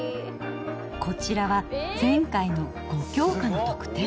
こちらは前回の５教科の得点。